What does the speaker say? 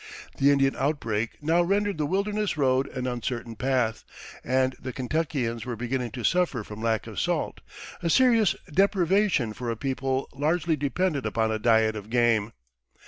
The Indian outbreak now rendered the Wilderness Road an uncertain path, and the Kentuckians were beginning to suffer from lack of salt a serious deprivation for a people largely dependent upon a diet of game.